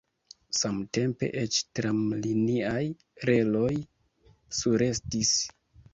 Samtempe eĉ tramliniaj reloj surestis.